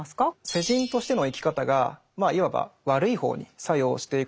世人としての生き方がまあいわば悪い方に作用していくと